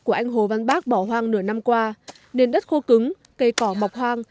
của anh hồ văn bác bỏ hoang nửa năm qua nền đất khô cứng cây cỏ mọc hoang